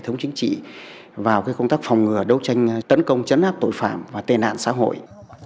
tập trung chính trị vào công tác phòng ngừa đấu tranh tấn công chấn áp tội phạm và tên đạn xã hội